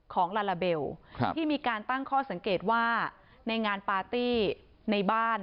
ของลาลาเบลที่มีการตั้งข้อสังเกตว่าในงานปาร์ตี้ในบ้าน